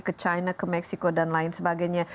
ke china ke meksiko dan lain sebagainya